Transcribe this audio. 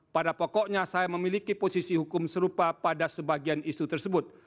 pada pokoknya saya memiliki posisi hukum serupa pada sebagian isu tersebut